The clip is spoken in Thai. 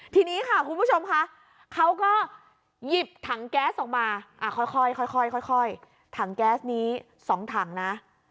ทีนี้ค่ะคุณผู้ชมค่ะเขาก็หยิบถังแก๊สออกมาค่อยถังแก๊สนี้๒ถังนะ